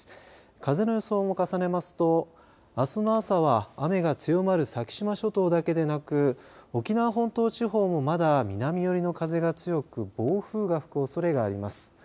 風の予想も重ねますとあすの朝は雨が強まる先島諸島だけでなく沖縄本島地方もまだ南寄りの風が強く暴風が吹くおそれがあります。